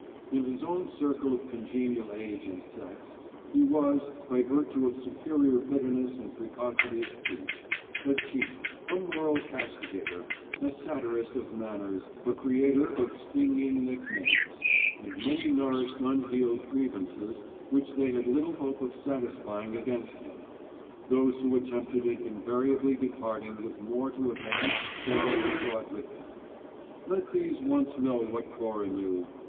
In his own circle of congenial age and sex he was, by virtue of superior bitterness and precocity of speech, a chief a moral castigator, a satirist of manners, a creator of stinging nicknames; and many nourished unhealed grievances which they had little hope of satisfying against him; those who attempted it invariably departing with more to avenge than they had brought with them. Let these once know what Cora knew.